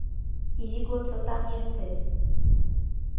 Изи годсо таҥет ден